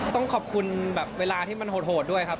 ต้องขอบคุณแบบเวลาที่มันโหดด้วยครับ